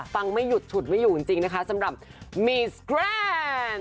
ไม่หยุดฉุดไม่อยู่จริงนะคะสำหรับมีสแกรนด์